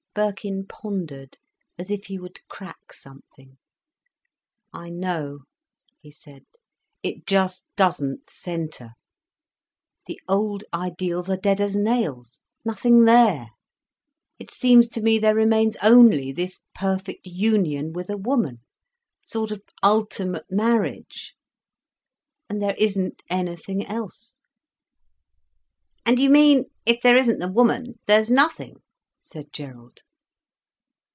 Birkin pondered as if he would crack something. "I know," he said, "it just doesn't centre. The old ideals are dead as nails—nothing there. It seems to me there remains only this perfect union with a woman—sort of ultimate marriage—and there isn't anything else." "And you mean if there isn't the woman, there's nothing?" said Gerald.